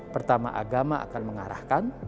pertama agama akan mengarahkan